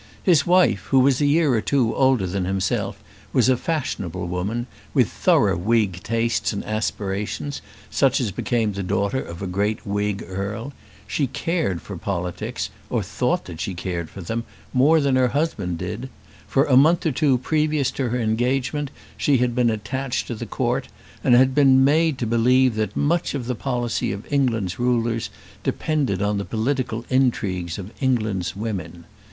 His wife, who was a year or two older than himself, was a fashionable woman, with thorough Whig tastes and aspirations, such as became the daughter of a great Whig earl; she cared for politics, or thought that she cared for them, more than her husband did; for a month or two previous to her engagement she had been attached to the Court, and had been made to believe that much of the policy of England's rulers depended on the political intrigues of England's women.